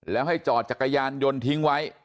แล้วให้จอดจักรยานยนต์ทิ้งไว้